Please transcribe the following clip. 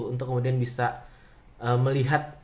untuk kemudian bisa melihat